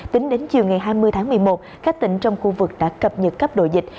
tính đến chiều ngày hai mươi tháng một mươi một các tỉnh trong khu vực đã cập nhật cấp độ dịch